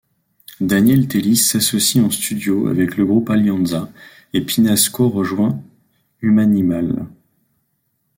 Daniel Telis s'associe en studio avec le groupe Alianza, et Pinasco rejoint Humanimal.